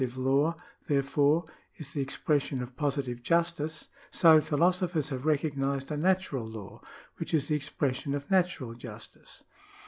41 OTHER KINDS OF LAW |§1G therefore, is the expression of positive justice, so philoso phers have recognised a natural law, which is the expression of natural justice.